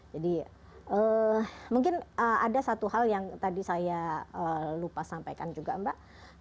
jadi mungkin ada satu hal yang tadi saya lupa sampaikan juga mbak